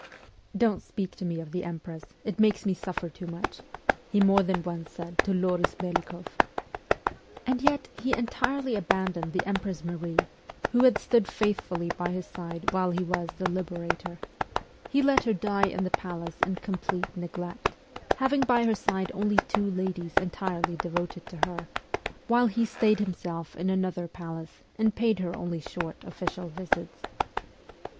' Don't speak to me of the Empress ; it makes me suffer too much,' he more than once said to Loris Melikoff. And yet he entirely abandoned the Empress Marie, who had stood faithfully by his side while he was the Liberator ; he let her die in the palace in complete neglect, having by her side only two ladies entirely devoted to her, while he stayed himself in another palace, and paid her only short official visits.